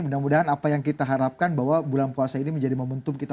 mudah mudahan apa yang kita harapkan bahwa bulan puasa ini menjadi momentum kita